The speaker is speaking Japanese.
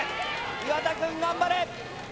岩田くん頑張れ。